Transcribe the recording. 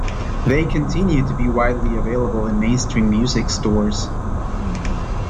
They continue to be widely available in mainstream music stores.